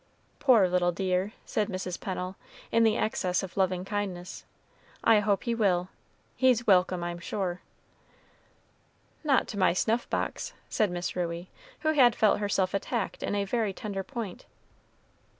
"Poor little dear," said Mrs. Pennel, in the excess of loving kindness, "I hope he will; he's welcome, I'm sure." "Not to my snuff box," said Miss Ruey, who had felt herself attacked in a very tender point.